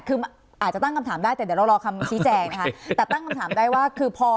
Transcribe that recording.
คืออาจจะตั้งคำถามได้แต่เดี๋ยวเรารอคำชี้แจงนะคะแต่ตั้งคำถามได้ว่าคือพอ